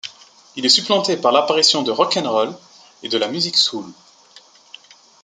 Il est supplanté par l'apparition de rock 'n' roll et de la musique soul.